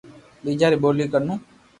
ٻآجا ري ٻولي ڪاو